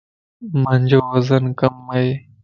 مانجو وزن ڪم ائي.